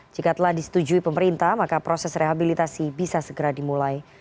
jika telah disetujui pemerintah maka proses rehabilitasi bisa segera dimulai